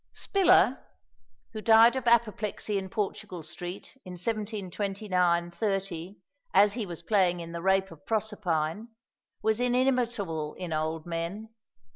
Spiller, who died of apoplexy in Portugal Street, in 1729 30 as he was playing in the "Rape of Proserpine," was inimitable in old men.